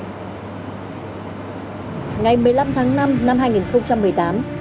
ngày một mươi năm tháng năm năm hai nghìn một mươi tám